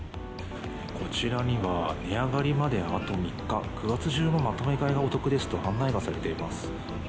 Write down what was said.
こちらには、値上がりまであと３日、９月中のまとめ買いがお得ですと案内がされています。